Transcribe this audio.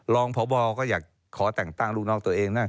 รองพบก็อยากขอแต่งตั้งลูกน้องตัวเองนะ